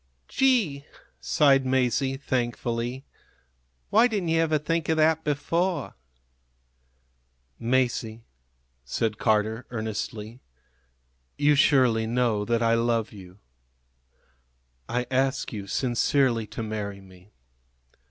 "Gee!" sighed Masie, thankfully. "Why didn't you ever think of that before?" "Masie," said Carter, earnestly, "you surely know that I love you. I ask you sincerely to marry me.